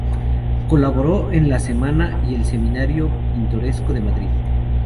Colaboró en "La Semana" y el "Semanario Pintoresco" de Madrid.